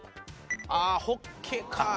ああホッケかあ。